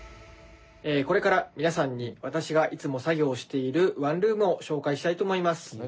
これから皆さんに私がいつも作業しているワンルームを紹介したいと思います。